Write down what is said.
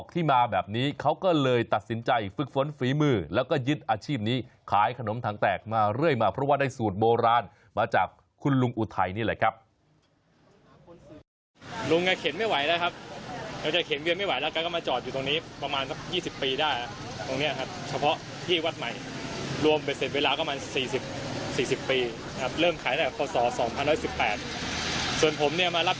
ที่มาแบบนี้เขาก็เลยตัดสินใจฝึกฝนฝีมือแล้วก็ยึดอาชีพนี้ขายขนมถังแตกมาเรื่อยมาเพราะว่าได้สูตรโบราณมาจากคุณลุงอุทัยนี่แหละครับ